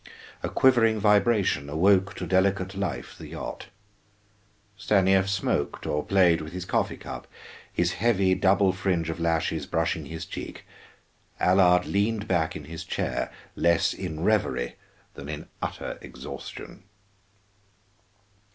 A quivering vibration awoke to delicate life the yacht. Stanief smoked or played with his coffee cup, his heavy double fringe of lashes brushing his cheek; Allard leaned back in his chair, less in reverie than in utter exhaustion.